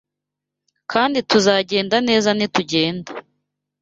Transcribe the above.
Kandi tuzagenda neza nitugenda